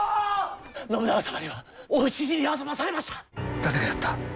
信長様にはお討ち死にあそばされました！